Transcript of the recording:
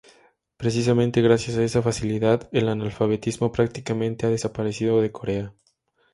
Precisamente gracias a esa facilidad, el analfabetismo prácticamente ha desaparecido de Corea.